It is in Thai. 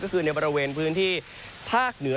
ก็คือในบริเวณพื้นที่ภาคเหนือ